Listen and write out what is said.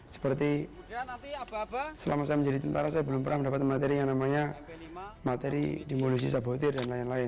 seperti apa selama saya menjadi tentara saya belum pernah mendapatkan materi yang namanya materi demolusi sabotir dan lain lain